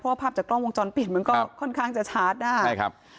เพราะภาพจากกล้องวงจรปิดมันก็ค่อนข้างจะชาร์จได้